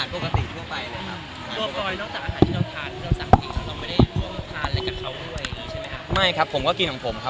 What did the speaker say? ก็มาภารกิจปกติทั่วไปเลยครับ